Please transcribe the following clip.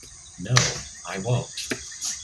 No, I won't!